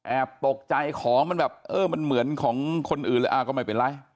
ตกใจของมันแบบเออมันเหมือนของคนอื่นเลยอ้าวก็ไม่เป็นไร